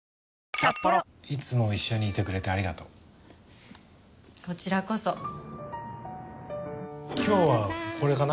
いつも一緒にいてくれてありがとうこちらこそ今日はこれかな